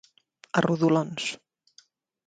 A rodolons.